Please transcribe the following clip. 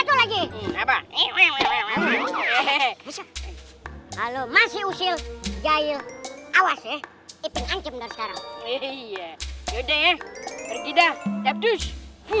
kalau masih usil jahil awas ya itu anjing udah sekarang udah ya udah